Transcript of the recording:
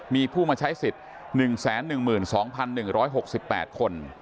มีผู้มาใช้สิทธิ์๑๑๒๑๖๘คน